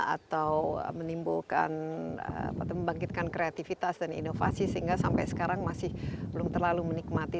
atau menimbulkan atau membangkitkan kreativitas dan inovasi sehingga sampai sekarang masih belum terlalu menikmati